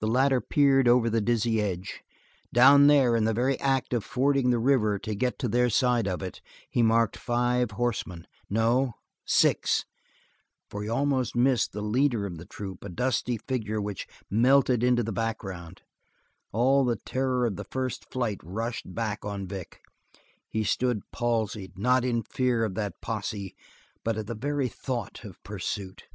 The latter peered over the dizzy edge. Down there, in the very act of fording the river to get to their side of it, he marked five horsemen no, six, for he almost missed the leader of the troop, a dusty figure which melted into the background. All the terror of the first flight rushed back on Vic. He stood palsied, not in fear of that posse but at the very thought of pursuit.